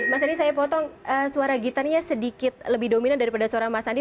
mas adi saya potong suara gitarnya sedikit lebih dominan daripada suara mas andi